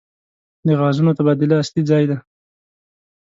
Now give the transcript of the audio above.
د غازونو تبادله اصلي ځای دی.